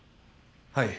はい。